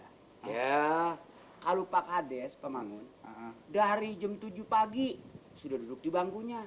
ya kalau pak kades pemangun dari jam tujuh pagi sudah duduk di bangkunya